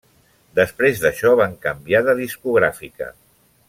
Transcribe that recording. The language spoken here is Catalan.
Després d'això van canviar de discogràfica.